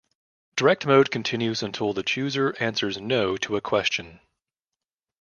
Direct mode continues until the chooser answers "no" to a question.